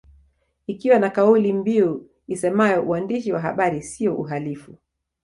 Ikiwa na kauli mbiu isemayo uandishi wa habari siyo uhalifu